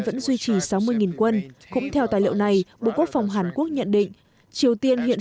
vẫn duy trì sáu mươi quân cũng theo tài liệu này bộ quốc phòng hàn quốc nhận định triều tiên hiện